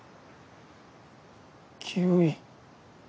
清居。